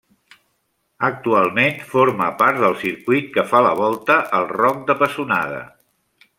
Actualment forma part del circuit que fa la volta al Roc de Pessonada.